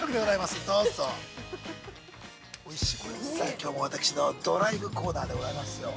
きょうも私のドライブコーナーでございますよ。